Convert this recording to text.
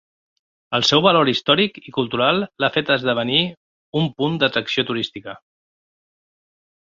El seu valor històric i cultural l'ha fet esdevenir un punt d'atracció turística.